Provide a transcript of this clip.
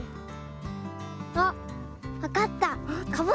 あっわかった！